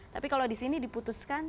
tapi kalau di sini diputuskan